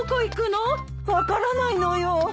分からないのよ。